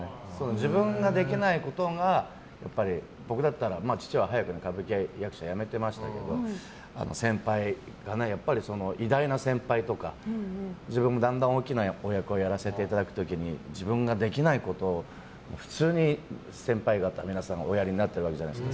自分ができないことが僕だったら父は早くに歌舞伎役者辞めていましたけど偉大な先輩とか自分もだんだん大きな役をやらせていただく時に自分ができないことを普通に先輩方皆さんがおやりになっているわけじゃないですか。